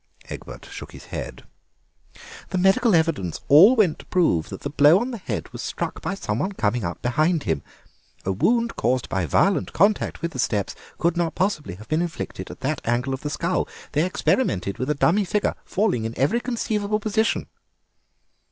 Egbert shook his head. "The medical evidence all went to prove that the blow on the head was struck by some one coming up behind him. A wound caused by violent contact with the steps could not possibly have been inflicted at that angle of the skull. They experimented with a dummy figure falling in every conceivable position."